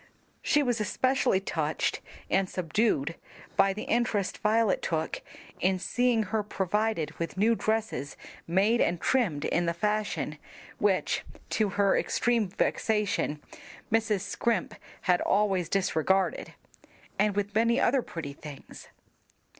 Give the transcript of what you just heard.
She was especially touched and subdued by the interest Violet took in seeing her provided with new dresses made and trimmed in the fashion (which, to her extreme vexation, Mrs. Scrimp had always disregarded), and with many other pretty things.